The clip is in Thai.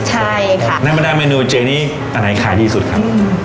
ไหนเป็นแต่เมนูเจ๋อันไหนคลายดีสุดข้าง